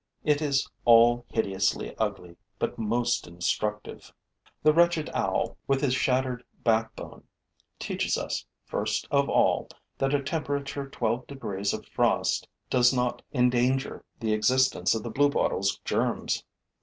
It is all hideously ugly, but most instructive. The wretched owl, with his shattered backbone, teaches us, first of all, that a temperature twelve degrees of frost does not endanger the existence of the bluebottle's germs.